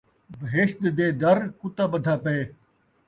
بہشت دے در کتا ٻدھا پئے